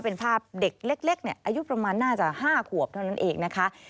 เป็นภาพเด็กเล็กอายุประมาณน่าจะ๕ขวบเท่านั้นเองนะคะ